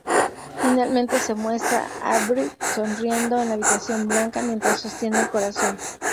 Finalmente se muestra a Avril sonriendo en la habitación blanca mientras sostiene el corazón.